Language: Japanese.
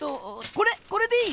これでいい？